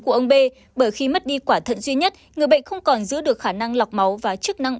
của ông b bởi khi mất đi quả thận duy nhất người bệnh không còn giữ được khả năng lọc máu và chức năng